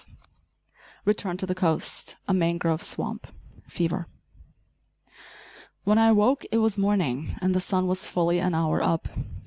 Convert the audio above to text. * *Return to the Coast; A Mangrove Swamp; Fever.* When I awoke it was morning, and the sun was fully an hour up.